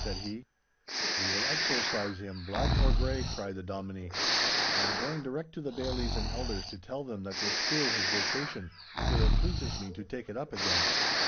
said he. 'We will exorcise him, black or grey!' cried the Dominie. 'I am going direct to the bailies and elders to tell them that this school has vacation till it pleases me to take it up again.